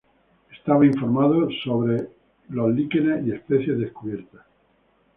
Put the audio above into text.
Estaba informado acerca de líquenes y especies descubiertas.